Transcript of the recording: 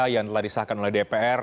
yang telah disahkan oleh dpr